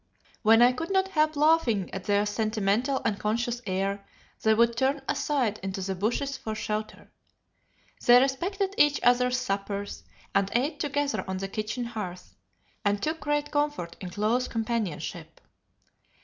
When I could not help laughing at their sentimental and conscious air, they would turn aside into the bushes for shelter. They respected each other's suppers, and ate together on the kitchen hearth, and took great comfort in close companionship.